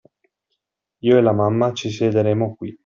Io e la mamma ci siederemo qui.